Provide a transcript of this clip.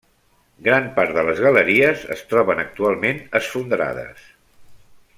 Gran part de les galeries es troben actualment esfondrades.